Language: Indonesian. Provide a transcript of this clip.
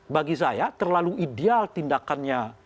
bagi saya terlalu ideal tindakannya